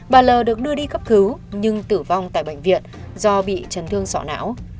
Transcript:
bà l được đưa đi cấp cứu nhưng tử vong tại bệnh viện do bị chấn thương sọ não